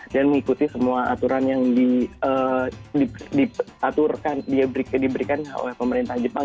dan mengikuti semua aturan yang diaturkan diberikan oleh pemerintah jepang